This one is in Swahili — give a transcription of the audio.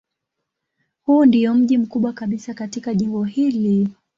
Huu ndiyo mji mkubwa kabisa katika jimbo hili.